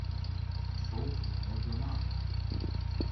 首府摩德纳。